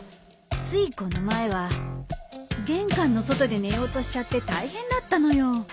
ついこの前は玄関の外で寝ようとしちゃって大変だったのよ。